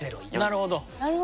なるほど。